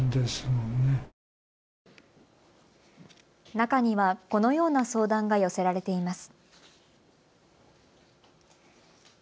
中には、このような相談が寄せられています。